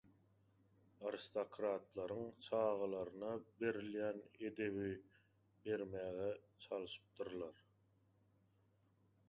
aristokratlaryň çagalaryna berilýän edebi bermäge çalşypdyrlar.